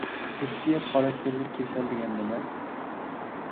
ئىرسىيەت خاراكتېرلىك كېسەل دېگەن نېمە؟